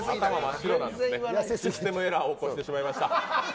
ちょっとシステムエラーを起こしてしまいました。